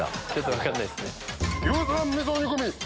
分かんないっすね。